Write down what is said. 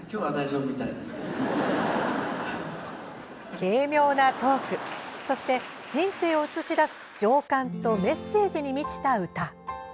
軽妙なトークそして、人生を映し出す情感とメッセージに満ちた歌。